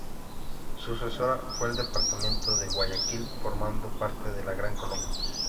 Su sucesora fue el Departamento de Guayaquil formando parte de la Gran Colombia.